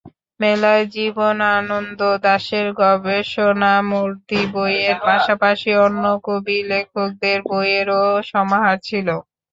মেলায় জীবনানন্দ দাশের গবেষণামর্ধী বইয়ের পাশাপাশি অন্য কবি-লেখকদের বইয়েরও সমাহার ছিল।